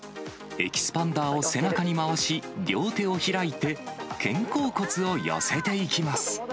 エキスパンダーを背中に回し、両手を開いて、肩甲骨を寄せていきます。